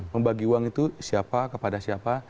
membagi uang itu siapa kepada siapa